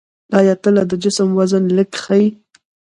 آیا تله د جسم وزن لږ ښيي؟